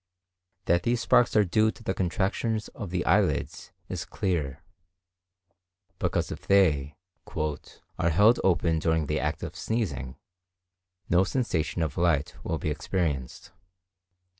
That these sparks are due to the contraction of the eyelids is clear, because if they "are held open during the act of sneezing, no sensation of light will be experienced."